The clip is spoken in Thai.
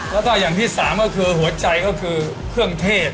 แล้วก็อย่างที่สามก็คือหัวใจก็คือเครื่องเทศ